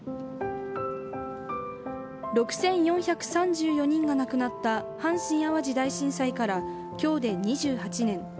６４３４人が亡くなった阪神・淡路大震災から今日で２８年。